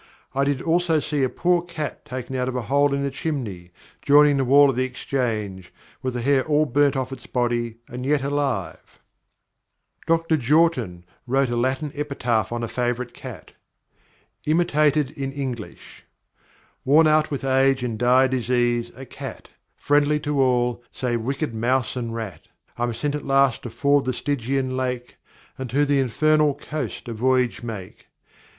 I did also see a poor cat taken out of a hole in a chimney, joining the wall of the Exchange, with the hair all burned off its body and yet alive." Dr. Jortin wrote a Latin epitaph on a favourite cat:[I] [I] Hone's "Every day Book," vol. i. IMITATED IN ENGLISH. "Worn out with age and dire disease, a cat, Friendly to all, save wicked mouse and rat, I'm sent at last to ford the Stygian lake, And to the infernal coast a voyage make.